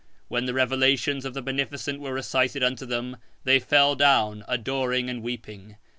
When the revelations of the Beneficent were recited unto them, they fell down, adoring and weeping.